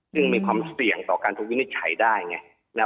ซึ่งมีความเสี่ยงต่อการถูกวินิจฉัยได้ไง